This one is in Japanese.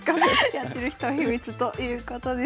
やってる人は秘密ということです。